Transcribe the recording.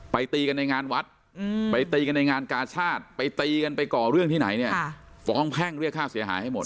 ตีกันในงานวัดไปตีกันในงานกาชาติไปตีกันไปก่อเรื่องที่ไหนเนี่ยฟ้องแพ่งเรียกค่าเสียหายให้หมด